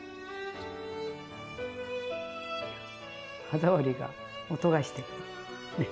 歯触りが音がしてる。ね。